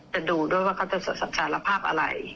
จะดูด้วยว่าเขาจะสารภาพอะไร